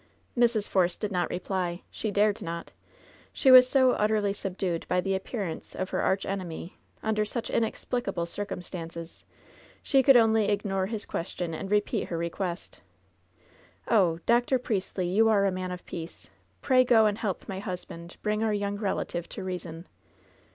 Mrs. Force did not reply. She dared not. She was so utterly subdued by the appearance of her archenemy, under such inexplicable circumstances, she could only ignore his question and repeat her request: "Oh I Dr. Priestly, you are a man of peace. Pray go and help my husband to bring our young relative to reason."